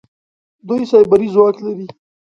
دوی سايبري ځواک لري.